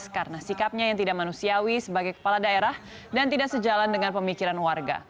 karena sikapnya yang tidak manusiawi sebagai kepala daerah dan tidak sejalan dengan pemikiran warga